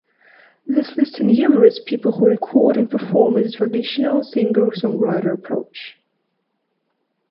This list enumerates people who record and perform in the traditional singer-songwriter approach.